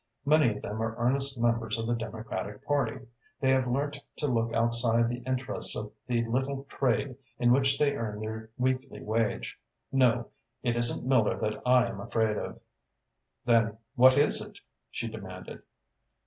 Many of them are earnest members of the Democratic Party. They have learnt to look outside the interests of the little trade in which they earn their weekly wage. No, it isn't Miller that I am afraid of." "Then what is it?" she demanded.